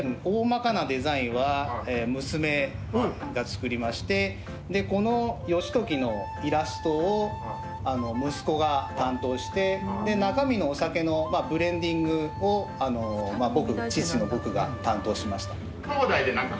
大まかなデザインは娘が作りましてこの義時のイラストを息子が担当して中身のお酒のブレンディングを父の僕が担当しました。